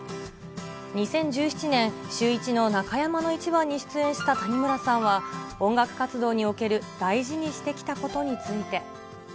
２０１７年、シューイチの中山のイチバンに出演した谷村さんは、音楽活動における大事にしてきたことについて。